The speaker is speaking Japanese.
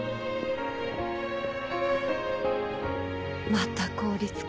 また効率か。